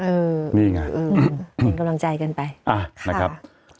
อุ้มมมคนกำลังใจกันไป